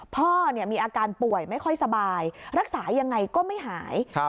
พ่อมีอาการป่วยไม่ค่อยสบายรักษายังไงก็ไม่หาย